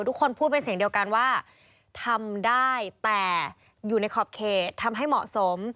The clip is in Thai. ทุกคนพูดเป็นเสียงเดียวกันว่าทำได้แต่อยู่ในขอบเขตทำให้เหมาะสม